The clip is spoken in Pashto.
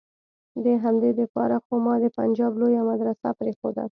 د همدې د پاره خو ما د پنجاب لويه مدرسه پرېخوده.